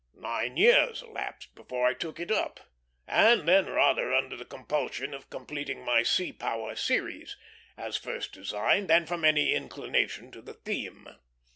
Nine years elapsed before I took it up; and then rather under the compulsion of completing my Sea Power series, as first designed, than from any inclination to the theme.